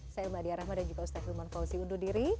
saya mbak adia rahman dan juga ustaz hilman fauzi undur diri